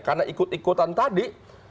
karena ikut ikutan tadi